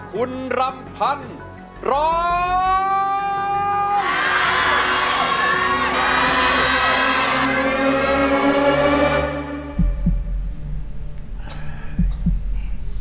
คุณรำพันธ์ร้อง